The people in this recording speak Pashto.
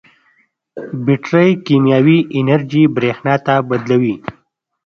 بیټرۍ کیمیاوي انرژي برېښنا ته بدلوي.